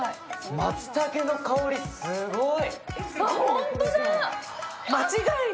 まつたけの香り、すごい！